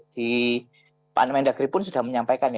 di pandemi negeri pun sudah menyampaikan